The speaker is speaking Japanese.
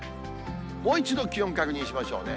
もう一度気温確認しましょうね。